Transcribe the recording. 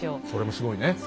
それもすごいね。